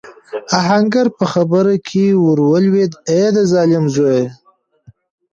آهنګر په خبره کې ور ولوېد: اې د ظالم زويه!